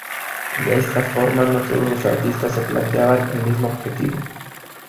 De esta forma, no todos los artistas se planteaban el mismo objetivo.